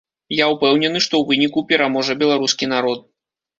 Я ўпэўнены, што ў выніку пераможа беларускі народ.